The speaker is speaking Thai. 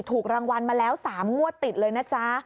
ถูกรางวัลมาแล้ว๓งวดติดเลยนะจ๊ะ